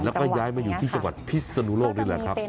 แล้วก็ย้ายมาอยู่ที่จังหวัดพิศนุโลกนี่แหละครับ